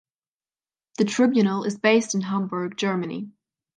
The tribunal is based in Hamburg, Germany.